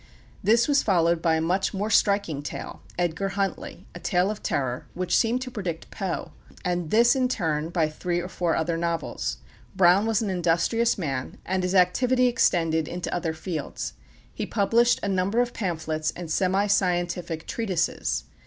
This was followed by a much more striking tale, "Edgar Huntley," a tale of terror, which seemed to predict Poe, and this in turn by three or four other novels. Brown was an industrious man, and his activity extended into other fields. He published a number of pamphlets and semiscientific treatises.